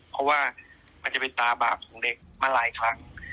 เพราะว่ามันจะเป็นตาบาปของเด็กมาหลายครั้ง